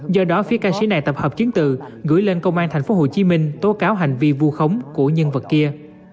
do đó phía ca sĩ này tập hợp chuyến từ gửi lên công an thành phố hồ chí minh tố cáo hành vi vu khống của nhân vật kia